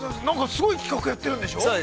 ◆すごい企画をやっているんでしょう。